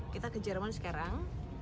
kita ke jerman sekarang